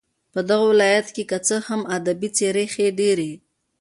په دغه ولايت كې كه څه هم ادبي څېرې ښې ډېرې